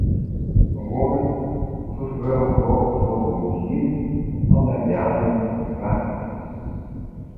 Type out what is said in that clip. Горад сустрэў хлопцаў глухім алавяным раннем.